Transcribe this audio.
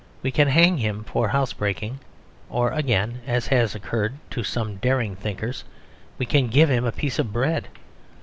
We can hang him for housebreaking; or again (as has occurred to some daring thinkers) we can give him a piece of bread.